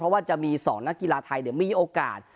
เพราะว่าจะมี๒นักกีฬาไทยมีโอกาส